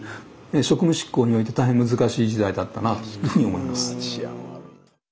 職務執行において大変難しい時代だったなというふうに思います。